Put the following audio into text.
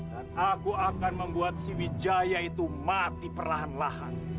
dan aku akan membuat si wijaya itu mati perlahan lahan